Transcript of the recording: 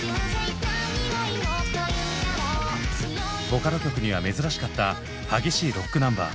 ボカロ曲には珍しかった激しいロックナンバー。